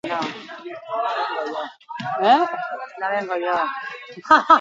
Fisika matematikoa eta kalkulu diferentziala ikertu zituen.